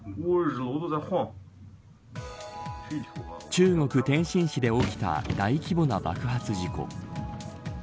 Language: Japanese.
中国、天津市で起きた大規模な爆発事故。